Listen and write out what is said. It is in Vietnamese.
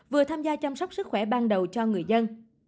vừa tham gia chăm sóc sức khỏe ban đầu cho người dân